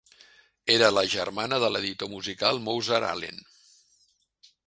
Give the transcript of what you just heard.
Era la germana de l'editor musical Mozart Allen.